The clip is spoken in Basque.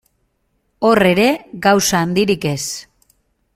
Hor ere, gauza handirik ez.